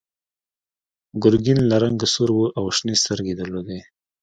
ګرګین له رنګه سور و او شنې سترګې یې درلودې.